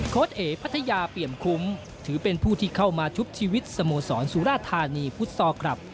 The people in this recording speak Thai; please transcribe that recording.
เอ๋พัทยาเปี่ยมคุ้มถือเป็นผู้ที่เข้ามาชุบชีวิตสโมสรสุราธานีฟุตซอลคลับ